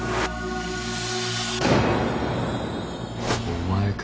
お前か？